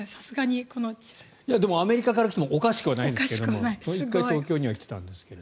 でもアメリカから来てもおかしくはないんですけど１回東京には来たんですが。